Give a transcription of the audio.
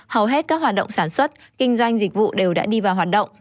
hầu hết các hoạt động sản xuất kinh doanh dịch vụ đều đã đi vào hoạt động